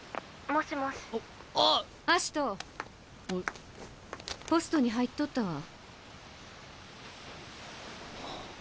葦人ポストに入っとったわ。